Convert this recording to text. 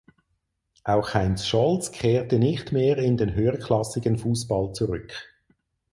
Auch Heinz Scholz kehrte nicht mehr in den höherklassigen Fußball zurück.